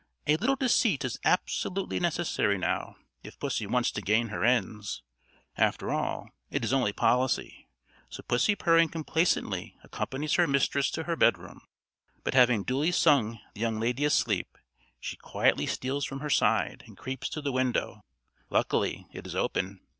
A little deceit is absolutely necessary now, if pussy wants to gain her ends. After all, it is only policy; so pussy purring complacently accompanies her mistress to her bed room. But having duly sung the young lady asleep, she quietly steals from her side and creeps to the window. Luckily, it is open.